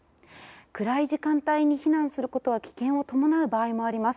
暗い時間帯に避難することは危険を伴う場合もあります。